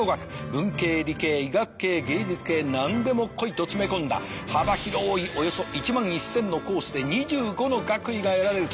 文系理系医学系芸術系何でも来いと詰め込んだ幅広いおよそ１万１，０００のコースで２５の学位が得られるという。